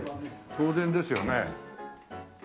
当然ですよね。